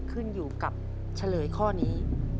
ขึ้นอยู่กับเฉลยข้อนี้